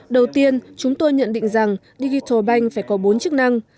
đầu tiên chúng tôi nhận định rằng digital bank phải có bốn chức năng